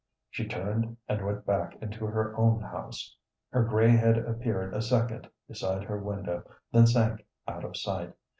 She turned and went back into her own house. Her gray head appeared a second beside her window, then sank out of sight.